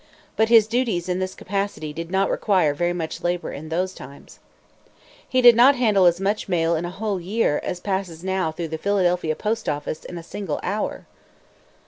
But his duties in this capacity did not require very much labor in those times. He did not handle as much mail in a whole year as passes now through the Philadelphia post office in a single hour.